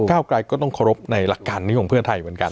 กลายก็ต้องเคารพในหลักการนี้ของเพื่อไทยเหมือนกัน